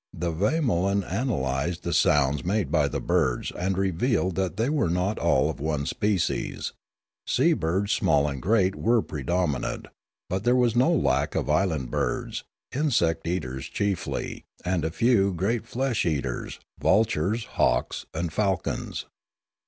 The vamolan analysed the sounds made by the birds and revealed that they were not all of one species; sea birds small and great were predominant ; but there was no lack of land birds, insect eaters chiefly, and a few great flesh eaters, vultures, hawks, and falcons.